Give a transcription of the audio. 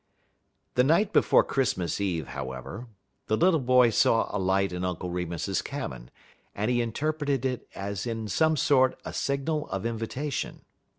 The night before Christmas eve, however, the little boy saw a light in Uncle Remus's cabin, and he interpreted it as in some sort a signal of invitation.